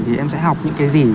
thì em sẽ học những cái gì